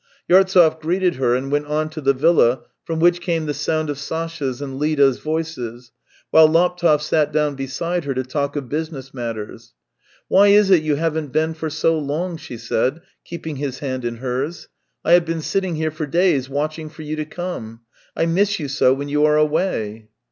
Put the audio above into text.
Yartsev greeted her and went on to the vdlla from which came the sound of Sasha's and Lida's voices, while Laptev sat down beside her to talk of business matters. " Why is it you haven't been for so long ?" she said, keeping his hand in hers. " I have been sitting here for days watching for you to come. I miss you so when you are away